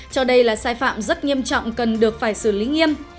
cho đây là sai phạm rất nghiêm trọng cần được phải xử lý nghiêm